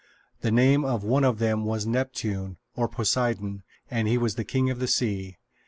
The name of one of them was Neptune, or Poseidon, and he was the king of the sea.